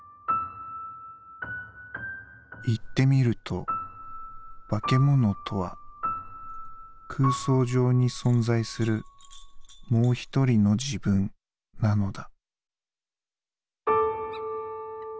「言ってみると化け物とは空想上に存在する『もう一人の自分』なのだ」。